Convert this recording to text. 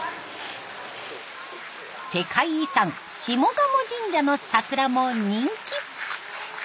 世界遺産下鴨神社の桜も人気。